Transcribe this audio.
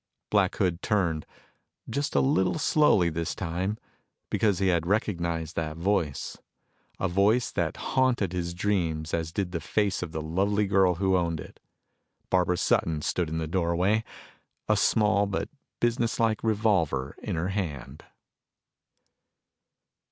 Black Hood turned, just a little slowly this time, because he had recognized that voice a voice that haunted his dreams as did the face of the lovely girl who owned it. Barbara Sutton stood in the doorway, a small but businesslike revolver in her hand.